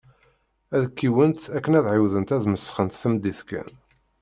Ad kiwent akken ad ɛiwdent ad mesxent tameddit kan.